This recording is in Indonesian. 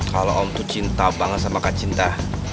kalau om itu cinta banget sama kak cinta